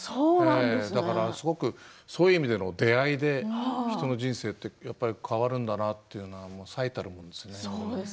だからすごくそういう意味での出会いで人の人生ってやっぱり変わるんだなというのは最たるものですね。